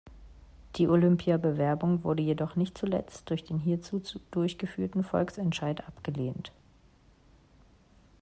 Die Olympiabewerbung wurde jedoch nicht zuletzt durch den hierzu durchgeführten Volksentscheid abgelehnt.